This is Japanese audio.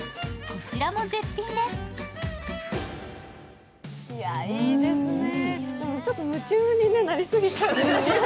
こちらも絶品です。